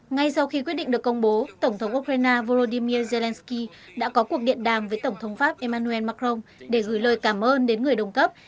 ngay sau khi quyết định được công bố tổng thống ukraine volodymyr zelensky đã có cuộc điện đàm với tổng thống pháp emmanuel macron để gửi lời cảm ơn đến người đồng cấp